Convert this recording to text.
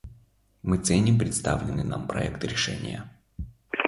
Мы ценим представленный нам проект решения.